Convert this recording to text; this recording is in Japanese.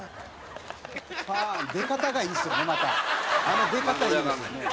あの出方がいいですよね」